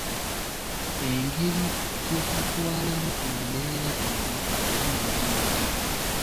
Engeri gyebatwalamu embeera eno era ne bagiwagira.